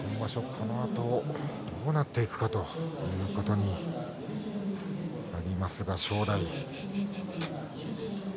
このあとどうなっていくのかということになりますね正代。